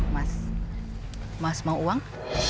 mas mas mau uang